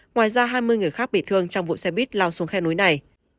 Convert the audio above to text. ngoài ra hai mươi người khác bị thương trong vụ xe buýt lao xuống khe núi này